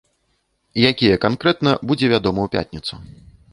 Якія канкрэтна, будзе вядома ў пятніцу.